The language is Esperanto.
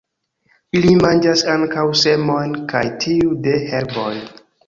Ili manĝas ankaŭ semojn kiaj tiuj de herboj.